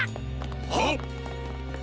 はっ！